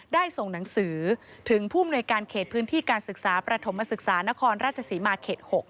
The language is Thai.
ได้ส่งหนังสือถึงผู้มนวยการเขตพื้นที่การศึกษาประถมศึกษานครราชศรีมาเขต๖